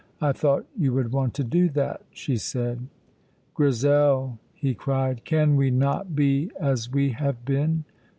I thought you would want to do that," she said. "Grizel," he cried, "can we not be as we have been?"